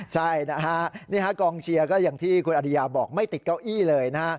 ใช่นะฮะนี่ฮะกองเชียร์ก็อย่างที่คุณอริยาบอกไม่ติดเก้าอี้เลยนะฮะ